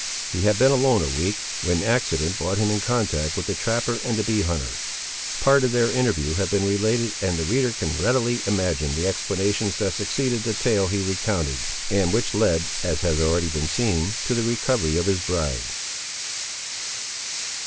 He had been alone a week, when accident brought him in contact with the trapper and the bee hunter. Part of their interview has been related, and the reader can readily imagine the explanations that succeeded the tale he recounted, and which led, as has already been seen, to the recovery of his bride.